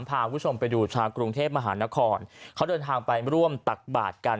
พาคุณผู้ชมไปดูชาวกรุงเทพมหานครเขาเดินทางไปร่วมตักบาทกัน